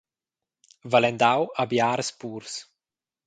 Valendau ha biars purs.